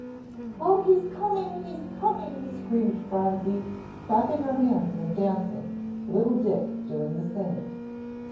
"Oh, he's coming! he's coming!" screamed Phronsie, clapping her hands and dancing, little Dick doing the same.